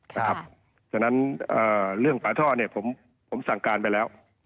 เพราะฉะนั้นเรื่องฝาท่อผมสั่งการไปแล้ว